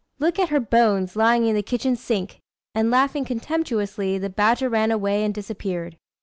Look at her bones, lying in the kitchen sink!" and, laughing contemptuously, the badger ran away, and disappeared.